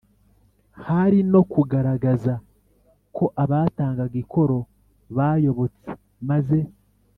hari no kugaragaza ko abatangaga ikoro bayobotse maze